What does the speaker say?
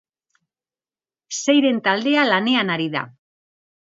Seiren taldea lanean ari da.